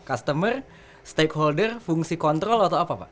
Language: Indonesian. customer stakeholder fungsi kontrol atau apa pak